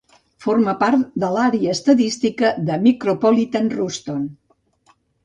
Forma part de l'àrea estadística de Micropolitan Ruston.